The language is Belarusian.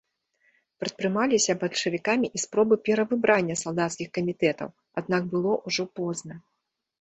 Прадпрымаліся бальшавікамі і спробы перавыбрання салдацкіх камітэтаў, аднак было ўжо позна.